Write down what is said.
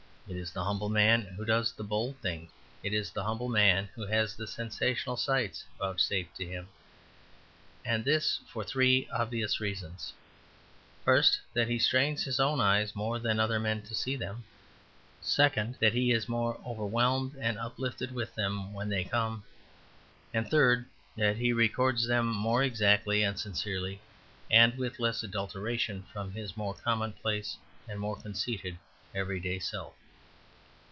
It is the humble man who does the bold things. It is the humble man who has the sensational sights vouchsafed to him, and this for three obvious reasons: first, that he strains his eyes more than any other men to see them; second, that he is more overwhelmed and uplifted with them when they come; third, that he records them more exactly and sincerely and with less adulteration from his more commonplace and more conceited everyday self.